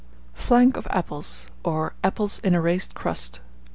FLANC OF APPLES, or APPLES IN A RAISED CRUST.